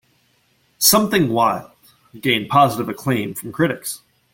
"Something Wild" gained positive acclaim from critics.